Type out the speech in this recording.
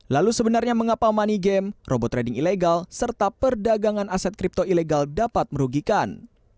lalu sebenarnya mengapa money game robot trading ilegal serta perdagangan aset kripto ilegal dapat merugikan